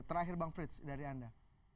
terakhir bang frits dari anda